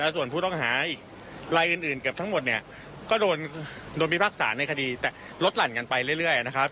ส่วนผู้ต้องหาอะไรอื่นทางหมดก็โดนพิพากษาจะลดหลั่นกันไปเรื่อย